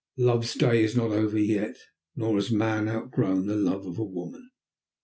Love's day is not over yet, nor has man outgrown the love of woman.